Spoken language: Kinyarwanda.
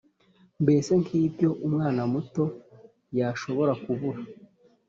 mbese nk’ibyo umwana muto yashobora kubara.